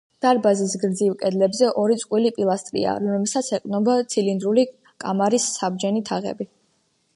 დარბაზის გრძივ კედლებზე ორი წყვილი პილასტრია, რომლებსაც ეყრდნობა ცილინდრული კამარის საბჯენი თაღები.